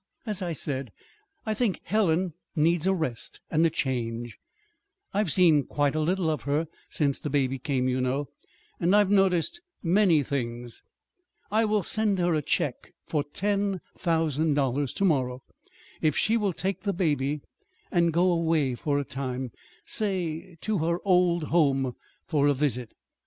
"As I said, I think Helen needs a rest and a change. I've seen quite a little of her since the baby came, you know, and I've noticed many things. I will send her a check for ten thousand dollars to morrow if she will take the baby and go away for a time say, to her old home for a visit.